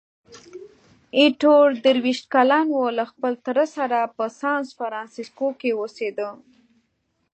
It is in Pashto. ایټور درویشت کلن وو، له خپل تره سره په سانفرانسیسکو کې اوسېده.